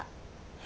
え。